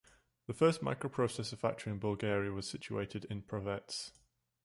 The first microprocessor factory in Bulgaria was situated in Pravets.